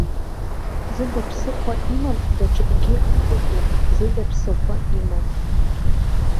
Зыда ԥсыхәа имам даҽакгьы ыҟоуп, зыда ԥсыхәа имам.